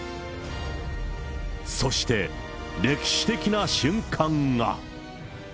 そして、歴史的な瞬間が。